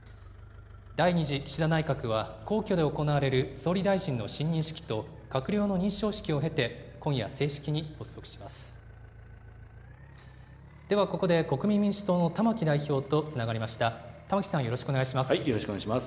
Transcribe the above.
第２次岸田内閣は、皇居で行われる総理大臣の親任式と閣僚の認証式を経て、今夜、正式に発足します。